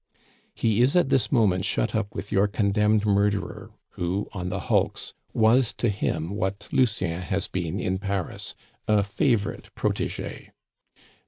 "He is at this moment shut up with your condemned murderer, who, on the hulks, was to him what Lucien has been in Paris a favorite protege.